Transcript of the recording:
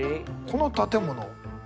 この建物？